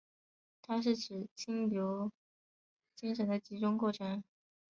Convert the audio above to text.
它是指经由精神的集中过程。